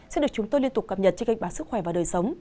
sẽ được chúng tôi liên tục cập nhật trên kịch bản sức khỏe và đời sống